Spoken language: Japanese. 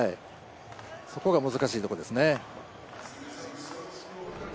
そこが難しいところですね。